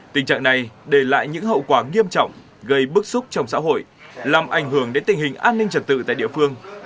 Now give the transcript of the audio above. tình trạng này để lại những hậu quả nghiêm trọng gây bức xúc trong xã hội làm ảnh hưởng đến tình hình an ninh trật tự tại địa phương